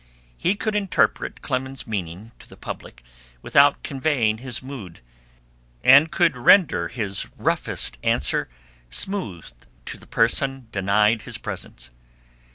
He could interpret Clemens's meaning to the public without conveying his mood, and could render his roughest answer smooth to the person denied his presence.